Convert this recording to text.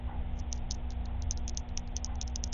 立碗藓为葫芦藓科立碗藓属下的一个种。